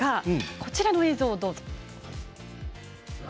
こちらの映像、どうぞ。